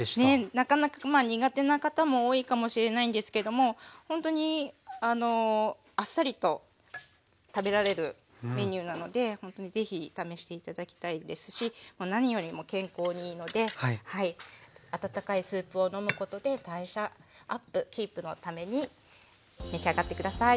なかなか苦手な方も多いかもしれないんですけどもほんとにあっさりと食べられるメニューなのでほんとに是非試して頂きたいですし何よりも健康にいいので温かいスープを飲むことで代謝アップキープのために召し上がって下さい。